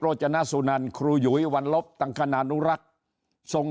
จนสุนันครูหยุยวันลบตังคณานุรักษ์ทรง